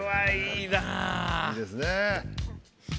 いいですね。